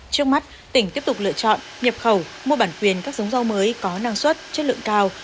trước mắt tỉnh tiếp tục lựa chọn nhập khẩu mua bản quyền các giống rau mới có năng suất chất lượng cao